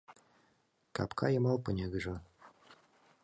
Капка йымал пинегыже